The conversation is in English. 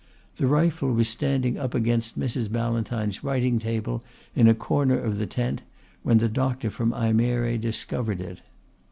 The rifle was standing up against Mrs. Ballantyne's writing table in a corner of the tent, when the doctor from Ajmere discovered it.